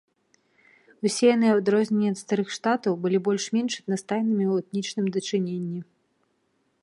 Усе яны, у адрозненне ад старых штатаў, былі больш-менш аднастайнымі ў этнічным дачыненні.